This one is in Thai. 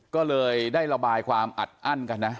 ก็เลยได้ระบายความอัดอั้นกันนะ